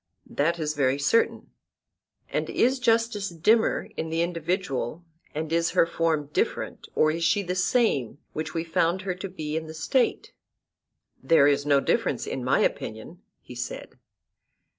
That is very certain. And is justice dimmer in the individual, and is her form different, or is she the same which we found her to be in the State? There is no difference in my opinion, he said.